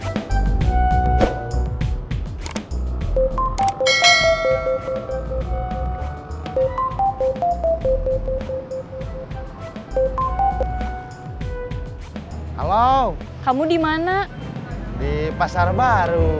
taffi dulu ini kita vedik semua udah p lima us lagi udah enggak muncul